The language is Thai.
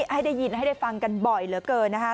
ให้ได้ยินให้ได้ฟังกันบ่อยเหลือเกินนะคะ